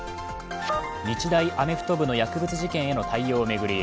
日大アメフト部の薬物事件への対応を巡り